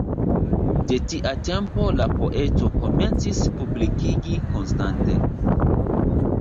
De tia tempo la poeto komencis publikigi konstante.